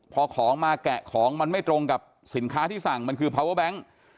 พอของมาแกะของมันไม่ตรงกับสินค้าที่สั่งมันคือพาวเวอร์แบงค์